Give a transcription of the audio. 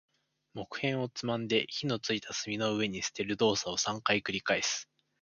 木片をつまんで、火の付いた炭の上に捨てる動作を三回繰り返す。